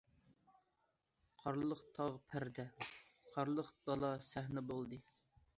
قارلىق تاغ پەردە، قارلىق دالا سەھنە بولدى.